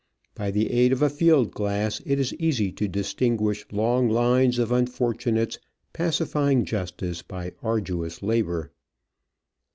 By the aid of a field glass, it is easy to dis tinguish long lines of unfortunates pacifying justice by arduous labour.